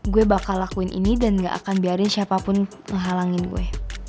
gue bakal lakuin ini dan gak akan biarin siapapun ngehalangin gue